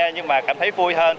nhưng mà cảm thấy vui hơn